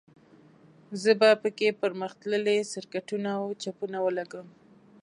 زه به په کې پرمختللي سرکټونه او چپونه ولګوم